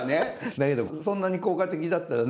だけどそんなに効果的だったらね